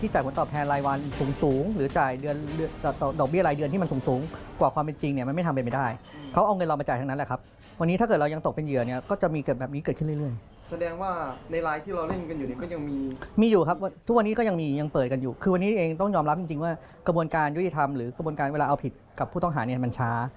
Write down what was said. จริงว่ากระบวนการยุติธรรมหรือกระบวนการเอาผิดกับผู้ต้องหามันช้า